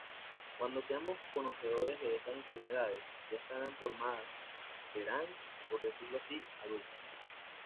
Cuando seamos conocedores de esas enfermedades, ya estarán formadas, serán, por decirlo así, adultas.